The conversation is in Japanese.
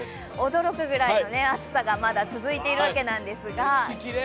驚くくらいの暑さがまだ続いているわけなんですが。